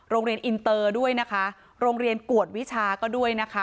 โรงเรียนอินเตอร์ด้วยนะคะโรงเรียนกวดวิชาก็ด้วยนะคะ